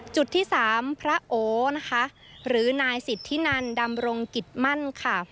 จุดที่สามพระโอนะคะหรือนายสิทธินันดำรงกิจมั่นค่ะ